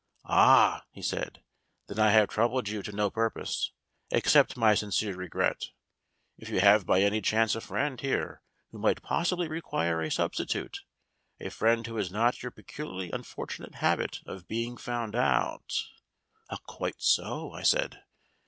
"Ah!" he said, "then I have troubled you to no purpose. Accept my sincere regret. If you have by any chance a friend here who might possibly require a substitute, a friend who has not your peculiarly unfortunate habit of being found out " "Quite so," I said.